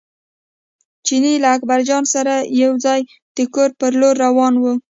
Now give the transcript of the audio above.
چیني له اکبرجان سره یو ځای د کور پر لور روان و.